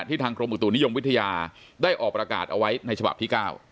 ทางกรมอุตุนิยมวิทยาได้ออกประกาศเอาไว้ในฉบับที่๙